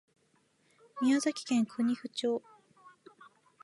宮崎県国富町